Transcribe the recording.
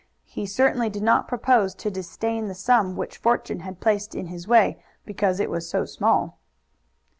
He certainly did not propose to disdain the sum which fortune had placed in his way because it was so small.